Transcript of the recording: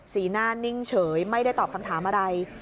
หน้านิ่งเฉยไม่ได้ตอบคำถามอะไร